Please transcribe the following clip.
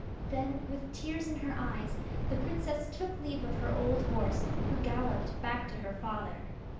Then, with tears in her eyes, the princess took leave of her old horse, who galloped back to her father.